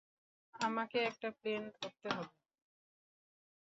আমাকে একটা প্লেন ধরতে হবে!